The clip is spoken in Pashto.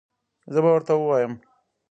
زه به ورته ووایم